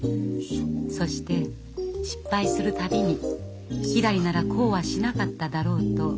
そして失敗する度にひらりならこうはしなかっただろうとため息が出るのです。